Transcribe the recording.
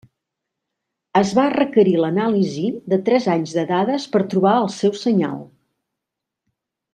Es va requerir l'anàlisi de tres anys de dades per trobar el seu senyal.